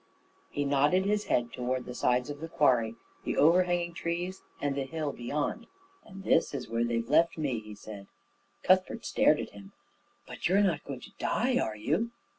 He nodded his head toward the sides of the quarry, the overhanging trees, and the hill beyond. "And this is where they've left me," he said. Cuthbert stared at him. "But you're not going to die, are you?"